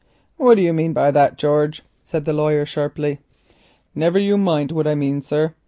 "What do you mean by that, George?" said the lawyer sharply. "Niver you mind what I mean, sir.